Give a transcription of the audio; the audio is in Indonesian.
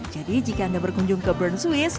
jadi jika anda berkunjung ke bern swiss